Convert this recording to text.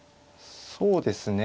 そうですね